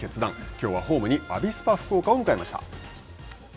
きょうはホームにアビスパ福岡を迎えました。